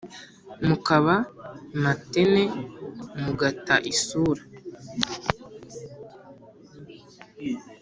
mukaba matene mugata isura